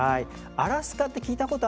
アラスカうん聞いたことは。